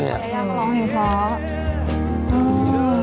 ไปอย่างนี้ฮะลองเพลงพอ